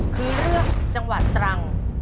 คือจังหวัดตรัง